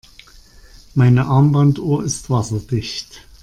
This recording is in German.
Meine Armbanduhr ist wasserdicht.